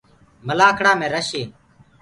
مَلآکڙآ مينٚ رش هي۔